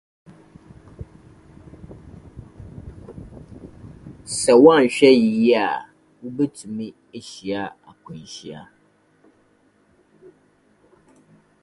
Sɛ woanhwɛ yiye a, wubetumi ahyia akwanhyia.